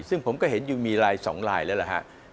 ซึ่งผมก็เห็นอยู่มีลายสองลายแล้วนะครับ